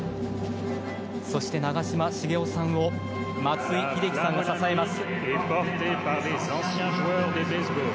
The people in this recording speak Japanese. そして、長嶋茂雄さんを松井秀喜さんが支えます。